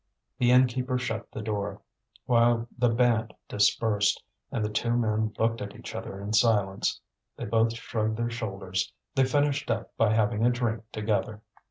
The innkeeper shut the door, while the band dispersed; and the two men looked at each other in silence. They both shrugged their shoulders. They finished up by having a drink together.